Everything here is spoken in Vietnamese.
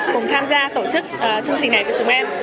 cùng tham gia tổ chức chương trình này của chúng em